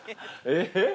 えっ？